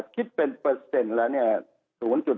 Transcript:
คิดเป็นเปอร์เซ็นต์แล้ว๐๐๐๑